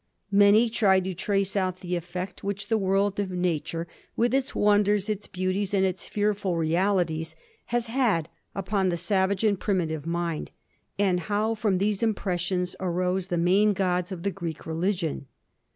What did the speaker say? Many try to trace out the effect which the world of nature with its wonders, its beauties, and its fearful realities, has had upon the savage and primitive mind, and how from these impressions arose the main gods of the Greek religion.